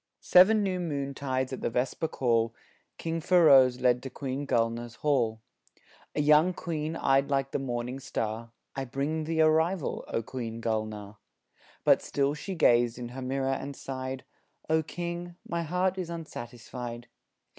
..... Seven new moon tides at the Vesper call, King Feroz led to Queen Gulnaar's hall A young queen eyed like the morning star: "I bring thee a rival, O Queen Gulnaar." But still she gazed in her mirror and sighed: "O King, my heart is unsatisfied."